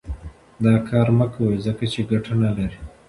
دا کار مه کوئ ځکه چې ګټه نه لري.